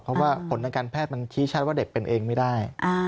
เพราะว่าผลทางการแพทย์มันชี้ชัดว่าเด็กเป็นเองไม่ได้